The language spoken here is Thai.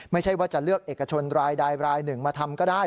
ไม่ใช่ว่าจะเลือกเอกชนรายใดรายหนึ่งมาทำก็ได้